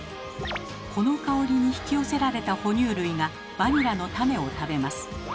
この香りに引き寄せられた哺乳類がバニラの種を食べます。